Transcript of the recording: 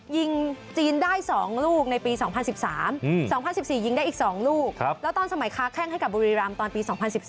ยิงจีนได้๒ลูกในปี๒๐๑๓๒๐๑๔ยิงได้อีก๒ลูกแล้วตอนสมัยค้าแข้งให้กับบุรีรำตอนปี๒๐๑๓